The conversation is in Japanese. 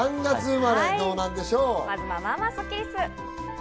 まずはまぁまぁスッキりす。